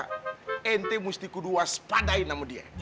nanti mesti gue duas padain sama dia